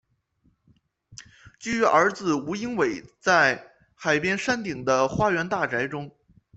居于儿子吴英伟在海边山顶的花园大宅中。